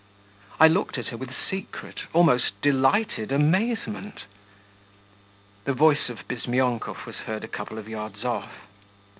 I looked at her with secret, almost delighted amazement.... The voice of Bizmyonkov was heard a couple of yards off.